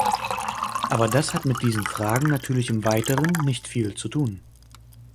Aber das hat mit diesen Fragen natürlich im weiteren nicht viel zu tun.